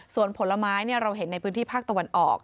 ส่วนผลไม้เราเห็นในพื้นที่ภาคตะวันออก